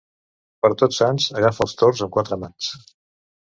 Per Tots Sants, agafa els tords amb quatre mans.